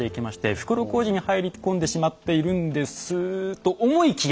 袋小路に入り込んでしまっているんですと思いきや。